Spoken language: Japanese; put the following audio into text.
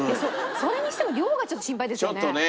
それにしても量がちょっと心配でしたね。